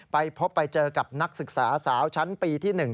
ไปพบไปเจอกับนักศึกษาสาวชั้นปีที่๑